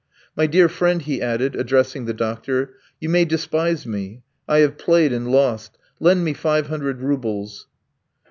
My dear friend," he added, addressing the doctor, "you may despise me, I have played and lost; lend me five hundred roubles!"